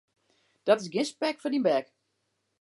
Dat is gjin spek foar dyn bek.